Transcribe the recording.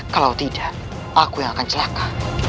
kalau tidak aku yang akan celaka